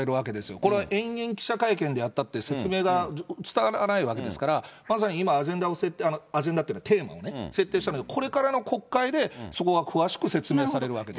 これは延々記者会見でやったって、説明が伝わらないわけですから、まさに今、アジェンダを、アジェンダっていうのはテーマね、設定したけど、これからの国会でそこは詳しく説明されるわけです。